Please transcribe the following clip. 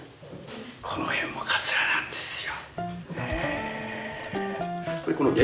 この辺もカツラなんですよ。ねぇ。